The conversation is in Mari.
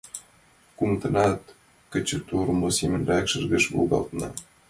Кумытынат кечывӧртмӧ семынак шыргыж волгалтына.